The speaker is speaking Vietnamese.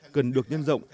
cần được nhân rộng